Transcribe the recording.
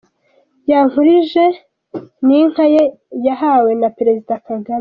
Yankurije n’inka ye yahawe na perezida Kagame.